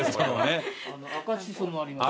赤しそもあります。